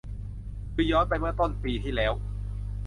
คือย้อนไปเมื่อต้นปีที่แล้ว